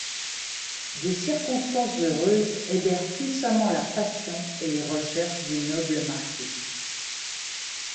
Des circonstances heureuses aidèrent puissamment la passion et les recherches du noble marquis.